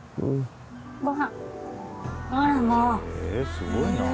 すごいなあ。